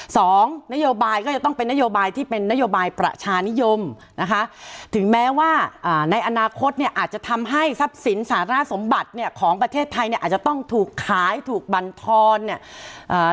สองนโยบายก็จะต้องเป็นนโยบายที่เป็นนโยบายประชานิยมนะคะถึงแม้ว่าอ่าในอนาคตเนี่ยอาจจะทำให้ทรัพย์สินสารสมบัติเนี่ยของประเทศไทยเนี่ยอาจจะต้องถูกขายถูกบรรทรเนี่ยอ่า